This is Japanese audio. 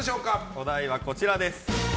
お題はこちらです。